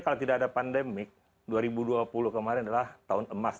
nah sembilan ini saya canangkan waktu itu bahwa kita merupakan perusahaan yang sangat berharga